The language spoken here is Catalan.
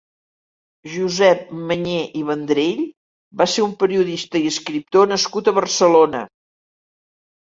Josep Manyé i Vendrell va ser un periodista i escriptor nascut a Barcelona.